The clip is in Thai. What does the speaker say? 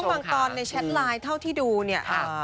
คือบางช่วงบางตอนในแชทไลน์เท่าที่ดูเนี่ย